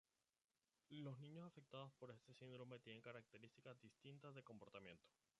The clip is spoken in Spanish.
Los niños afectados por este síndrome tienen características distintivas de comportamiento.